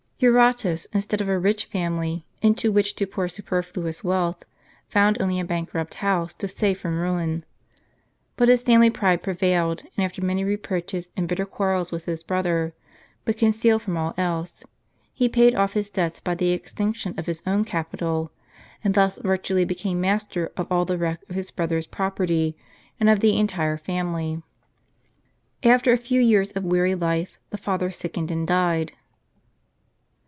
Eurotas, instead of a rich family, into which to pour super fluous wealth, found only a bankrupt house to save from ruin. But his family pride prevailed ; and after many reproaches, and bitter quarrels with his brother, but concealed from all else, he paid off his debts by the extinction of his own capital, and thus virtually became master of all the wreck of his brother's property, and of the entire family. After a few years of weary life, the father sickened and died.